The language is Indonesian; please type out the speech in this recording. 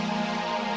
fightingnya misi cakek